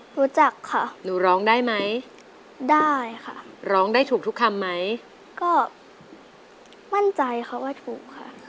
รู้จักค่ะหนูร้องได้ไหมได้ค่ะร้องได้ถูกทุกคำไหมก็มั่นใจค่ะว่าถูกค่ะ